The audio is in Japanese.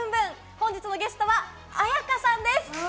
本日のゲストは絢香さんです。